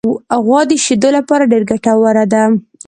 غوا د شیدو لپاره ډېره ګټوره ده.